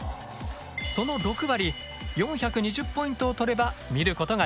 その６割４２０ポイントを取れば見ることができる。